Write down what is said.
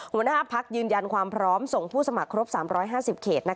หัวหน้าพักยืนยันความพร้อมส่งผู้สมัครครบ๓๕๐เขต